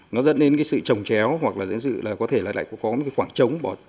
nó dẫn đến sự trồng chéo hoặc có thể lại có khoảng trống